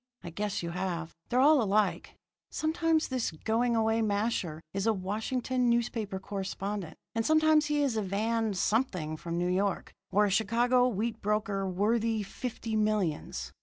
I guess you have. They're all alike. Sometimes this going away masher is a Washington newspaper correspondent, and sometimes he is a Van Something from New York, or a Chicago wheat broker worthy fifty millions.